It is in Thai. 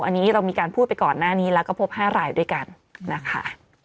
อันนี้เรามีการพูดไปก่อนหน้านี้แล้วก็พบ๕รายด้วยกันนะคะ